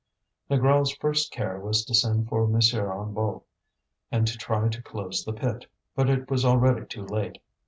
Négrel's first care was to send for M. Hennebeau, and to try to close the pit; but it was already too late.